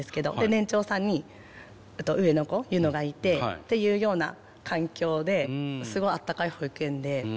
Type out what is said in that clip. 年長さんに上の子ユノがいてっていうような環境ですごい温かい保育園で。